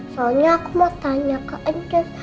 soalnya aku mau tanya ke engkes